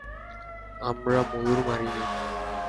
আমরা ময়ূর মারিনি।